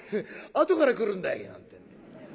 「後から来るんだい」なんて。